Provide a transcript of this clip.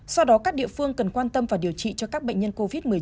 do đó các địa phương cần quan tâm và điều trị cho các bệnh nhân covid một mươi chín